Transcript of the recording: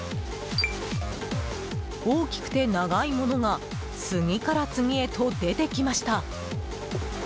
大きくて長いものが次から次へと出てきました。